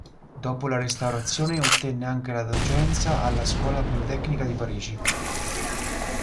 Dopo la restaurazione, ottenne anche la docenza alla scuola politecnica di Parigi.